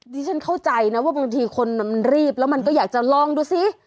ฉันเข้าใจนะว่าบางทีคนมันรีบแล้วมันก็อยากจะลองดูซิ